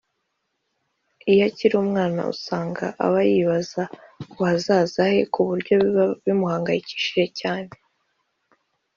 Iyo akiri umwana usanga aba yibaza ku by’ahazaza he ku buryo biba bimuhangayikishije cyane